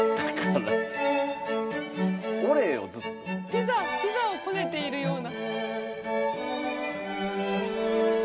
ピザピザをこねているような。